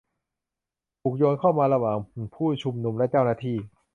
ถูกโยนเข้ามาระหว่างผู้ชุมนุมและเจ้าหน้าที่